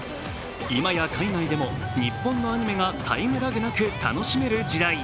今や海外でも日本のアニメがタイムラグなく楽しめる時代。